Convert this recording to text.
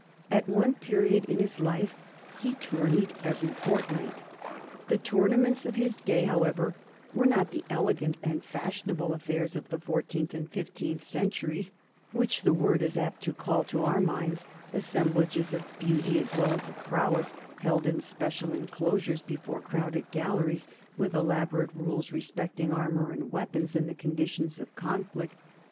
At one period in his life he tour neyed every fortnight. The tournaments of his day, however, were not the elegant and fashionable affairs of the fourteenth and fifteenth centuries which the word is apt to call to our minds, assemblages of beauty as well as of prowess, held in special enclosures before crowded galleries, with elaborate rules respecting armor and weapons and the conditions of conflict.